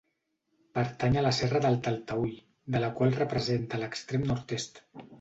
Pertany a la Serra de Talteüll, de la qual representa l'extrem nord-est.